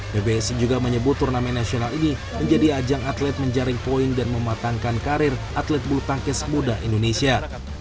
pbsi juga menyebut turnamen nasional ini menjadi ajang atlet menjaring poin dan mematangkan karir atlet bulu tangkis muda indonesia